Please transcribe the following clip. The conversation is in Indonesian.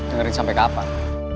dengerin sampe kapan